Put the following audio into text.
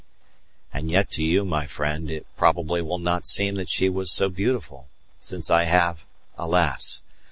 And yet to you, my friend, it probably will not seem that she was so beautiful, since I have, alas!